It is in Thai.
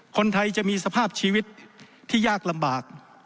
คนไทยจะมีสภาพชีวิตที่ยากลำบาก